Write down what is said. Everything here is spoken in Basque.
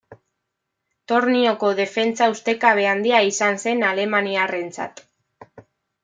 Tornioko defentsa ustekabe handia izan zen alemaniarrentzat.